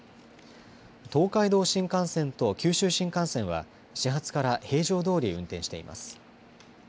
東海道新幹線と九州新幹線は始発から平常どおり運転しています。